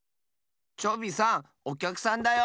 チョビさんおきゃくさんだよ。